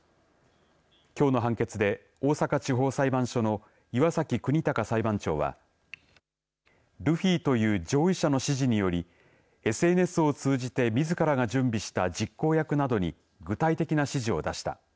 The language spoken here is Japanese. きょうの判決で大阪地方裁判所の岩崎邦生裁判長はルフィという上位者の指示によりＳＮＳを通じてみずからが準備した実行役などに具体的な指示を出した。